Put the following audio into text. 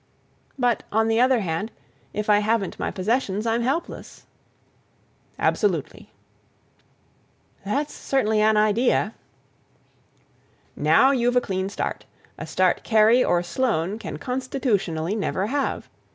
"But, on the other hand, if I haven't my possessions, I'm helpless!" "Absolutely." "That's certainly an idea." "Now you've a clean start—a start Kerry or Sloane can constitutionally never have.